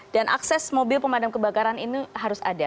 akses mobil pemadam kebakaran ini harus ada